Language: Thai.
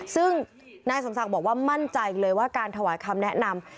ซึ่งนายสมศักดิ์บอกว่ามั่นใจเลยว่าการถวายคำแนะนำ